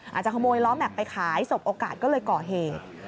อาจจะขโมยล้อแม็กซไปขายสบโอกาสก็เลยก่อเหตุ